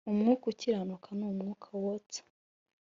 umwuka ukiranuka n umwuka wotsa